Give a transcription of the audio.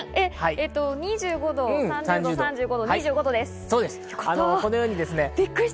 ２５度、３０度、３５度、正解です。